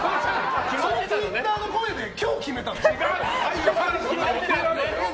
そのツイッターの声で今日決めたの？